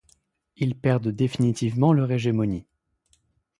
Ils perdent définitivement leur hégémonie.